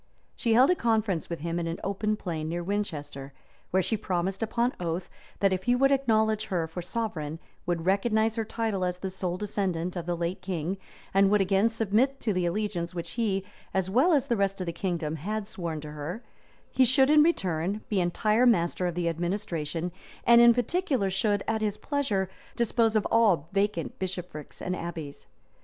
She held a conference with him in an open plain near Winchester; where she promised upon oath, that if he would acknowledge her for sovereign, would recognize her title as the sole descendant of the late king, and would again submit to the allegiance which he, as well as the rest of the kingdom, had sworn to her, he should in return be entire master of the administration, and in particular should, at his pleasure, dispose of all vacant bishoprics and abbeys.